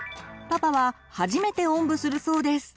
パパは初めておんぶするそうです。